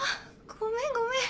ごめんごめん。